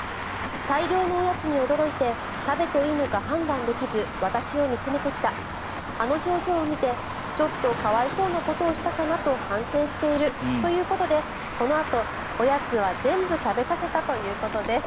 大量のおやつに驚いて食べていいのか判断できず私を見つめてきたあの表情を見てちょっと可哀想なことをしたかなと反省しているということでこのあと、おやつは全部食べさせたということです。